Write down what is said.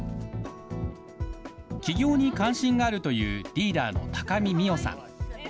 起業に関心があるというリーダーの高見弥央さん。